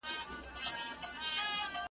چي پانوس به په رنګین وو هغه شمع دریادیږي؟ `